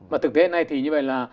và thực tế hôm nay thì như vậy là